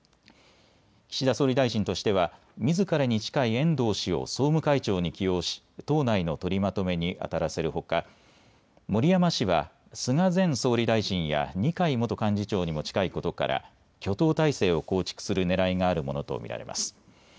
岸田総理大臣としてはみずからに近い遠藤氏を総務会長に起用し党内の取りまとめにあたらせるほか森山氏は菅前総理大臣や二階元幹事長にも近いことから挙党態勢を構築するねらいがあるものと見られます。